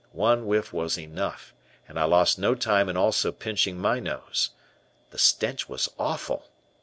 One whiff was enough and I lost no time in also pinching my nose. The stench was awful.